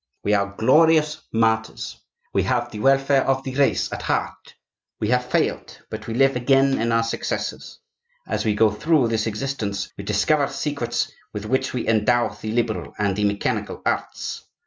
We are glorious martyrs; we have the welfare of the race at heart; we have failed but we live again in our successors. As we go through this existence we discover secrets with which we endow the liberal and the mechanical arts.